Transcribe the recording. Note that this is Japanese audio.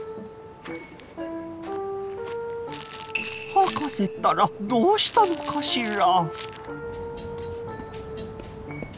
博士ったらどうしたのかしら？